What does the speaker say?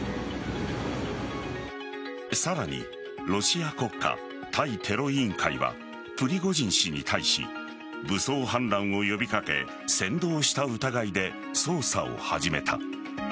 さらにロシア国家対テロ委員会はプリゴジン氏に対し武装反乱を呼び掛け扇動した疑いで捜査を始めた。